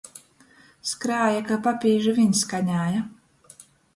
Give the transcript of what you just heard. Skrēja, ka papīži viņ skanēja.